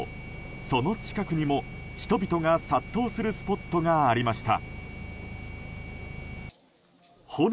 その近くにも、人々が殺到するスポットがありました。